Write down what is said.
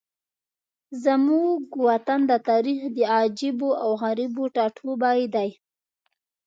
زموږ وطن د تاریخ د عجایبو او غرایبو ټاټوبی دی.